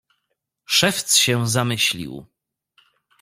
"Szewc się zamyślił."